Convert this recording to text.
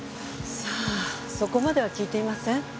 さあそこまでは聞いていません。